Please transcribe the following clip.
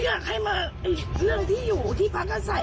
อยากให้มาเรื่องที่อยู่ที่พักอาศัย